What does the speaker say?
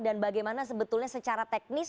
bagaimana sebetulnya secara teknis